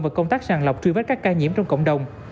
và công tác sàng lọc truy vết các ca nhiễm trong cộng đồng